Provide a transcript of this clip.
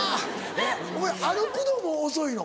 お前歩くのも遅いの？